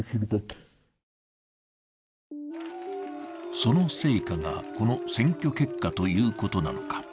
その成果が、この選挙結果ということなのか。